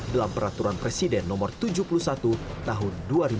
dalam peraturan presiden no tujuh puluh satu tahun dua ribu lima belas